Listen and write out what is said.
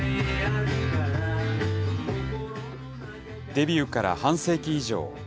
デビューから半世紀以上。